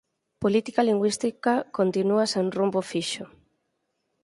"Política Lingüística continua sen rumbo fixo".